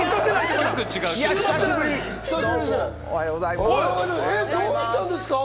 どうもおはようございます。